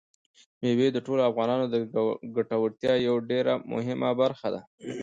مېوې د ټولو افغانانو د ګټورتیا یوه ډېره مهمه برخه ده.